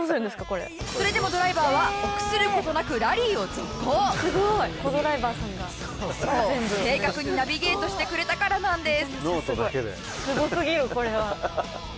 それでもドライバーは臆する事なくそう正確にナビゲートしてくれたからなんです。